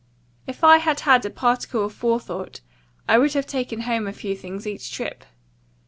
If I had had a particle of forethought I would have taken home a few things each trip.